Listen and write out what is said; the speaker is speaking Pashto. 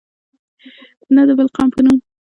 نه د بل قوم په نوم.